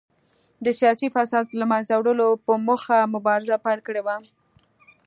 د سیاسي فساد له منځه وړلو په موخه مبارزه پیل کړې وه.